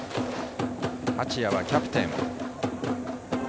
八谷はキャプテン。